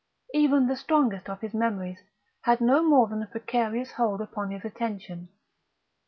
Even the strongest of his memories had no more than a precarious hold upon his attention.